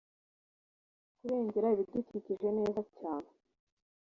kurengera ibidukukije neza cyane